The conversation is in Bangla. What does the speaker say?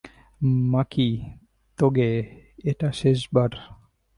মাকি, তোগে, এটা শেষবার।